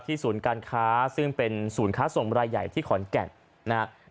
ศูนย์การค้าซึ่งเป็นศูนย์ค้าส่งรายใหญ่ที่ขอนแก่นนะครับ